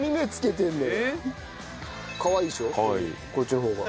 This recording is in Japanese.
かわいいでしょこっちの方が。